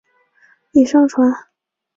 篦子三尖杉为三尖杉科三尖杉属的植物。